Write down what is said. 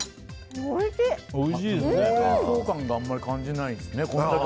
ホウレンソウ感があんまり感じないですね。